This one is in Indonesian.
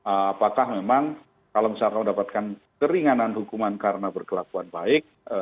apakah memang kalau misalkan mendapatkan keringanan hukuman karena berkelakuan baik